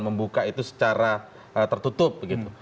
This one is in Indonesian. membuka itu secara tertutup begitu